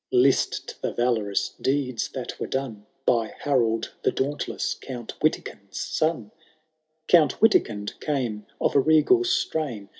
List to the valorous deeds that were done By Harold the Dauntless, Count Witikind^s son ! Count Witikind came of a regal strain.